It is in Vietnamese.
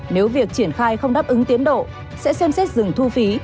nếu việc triển khai không đáp ứng tiến độ sẽ xem xét dừng thu phí